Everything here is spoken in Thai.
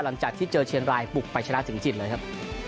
หลังจากที่เจอเชียงรายปลุกไปชนะถึงจิตเลยครับ